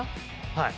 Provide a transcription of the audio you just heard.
はい。